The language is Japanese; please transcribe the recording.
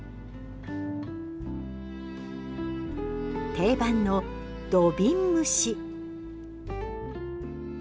定番の土瓶蒸し。